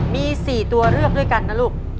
มี๔ตัวเลือกด้วยกันนะลูก